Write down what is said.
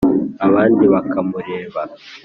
Abandi bakamureba